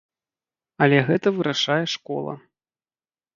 Але гэта вырашае школа.